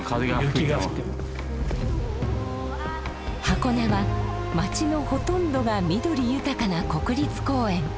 箱根は町のほとんどが緑豊かな国立公園。